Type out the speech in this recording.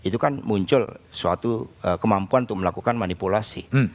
jadi muncul suatu kemampuan untuk melakukan manipulasi